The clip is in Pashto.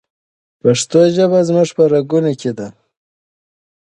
پښتو ژبه زموږ په رګونو کې ده.